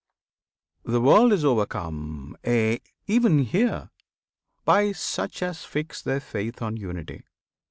The world is overcome aye! even here! By such as fix their faith on Unity.